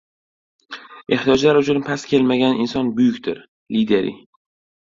Ehtiyojlari uchun past kelmagan inson buyukdir. Lideri